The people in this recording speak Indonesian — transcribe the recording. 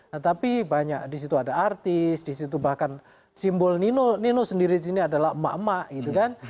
nah tapi banyak di situ ada artis di situ bahkan simbol nino sendiri di sini adalah emak emak gitu kan